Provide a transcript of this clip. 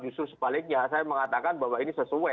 justru sebaliknya saya mengatakan bahwa ini sesuai